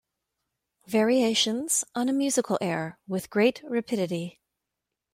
Variations on a musical air With great rapidity